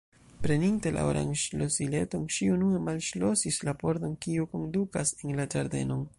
Preninte la oran ŝlosileton, ŝi unue malŝlosis la pordon kiu kondukas en la ĝardenon.